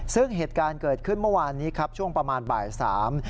ซึ่งเหตุการณ์เกิดขึ้นเมื่อวานนี้ครับช่วงประมาณบ่ายสาม